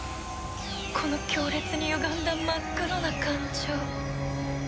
この強烈にゆがんだ真っ黒な感情。